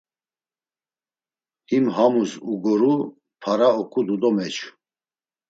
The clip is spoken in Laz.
Him hamus ugoru, para ok̆udu do meçu.